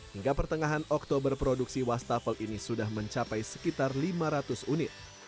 hingga pertengahan oktober produksi wastafel ini sudah mencapai sekitar lima ratus unit